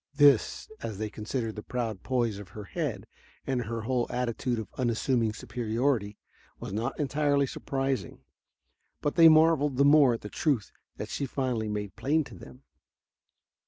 This, as they considered the proud poise of her head and her whole attitude of unassuming superiority was not entirely surprising. But they marveled the more at the truth that she finally made plain to them.